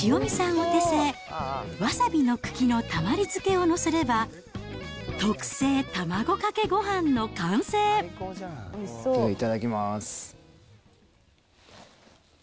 お手製、わさびの茎のたまり漬けを載せれば、いただきます。